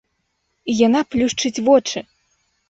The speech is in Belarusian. І яна плюшчыць вочы.